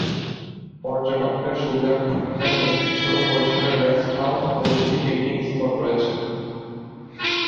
পর্যটকদের সুবিধার্থে এখানে একটি ছোট পরিসরের রেস্ট হাউজ ও দুটি পিকনিক স্পট রয়েছে।